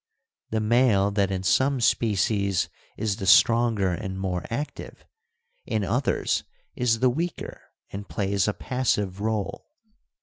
The male that in some species is the stronger and more active, in others is the weaker and plays a passive role.